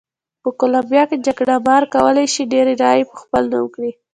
په کولمبیا کې جګړه مار کولای شي ډېرې رایې په خپل نوم کړي.